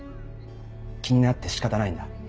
気になって仕方ないんだ。